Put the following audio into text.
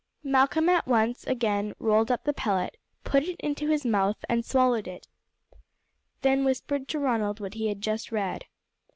Malcolm at once again rolled up the pellet, put it into his mouth and swallowed it, and then whispered to Ronald what he had just read.